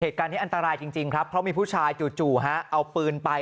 เหตุการณ์นี้อันตรายจริงครับเพราะมีผู้ชายจู่ฮะเอาปืนไป